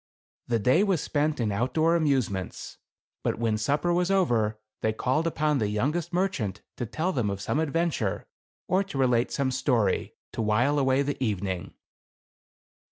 The day was spent in outdoor amusements; but when supper was over they called upon the youngest merchant to tell them of some adven ture, or to relate some story, to while away the evening.